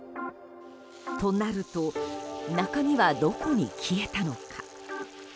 となると、中身はどこに消えたのか。